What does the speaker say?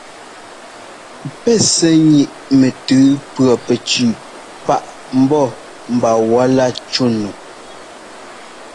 Pɛ́k sɛ́ ńniꞌ mɛtʉ pʉɔpɛcu páꞌ ḿbɔ́ mba wɔ̌lá cú nu.